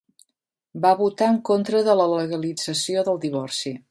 Va votar en contra de la legalització del divorci.